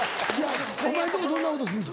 お前んとこどんな音すんの？